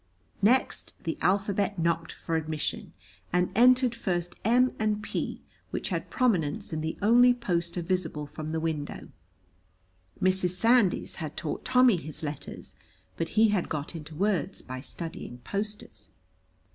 Next the alphabet knocked for admission; and entered first M and P, which had prominence in the only poster visible from the window. Mrs. Sandys had taught Tommy his letters, but he had got into words by studying posters.